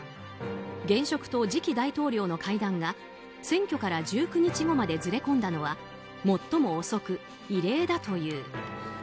現職と次期大統領の会談が選挙から１９日後までずれ込んだのは最も遅く異例だという。